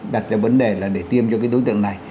đặt ra vấn đề là để tiêm cho cái đối tượng này